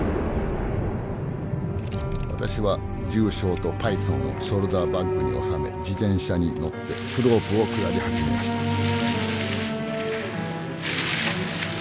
私は銃床とパイソンをショルダーバッグに収め自転車に乗ってスロープを下り始めました。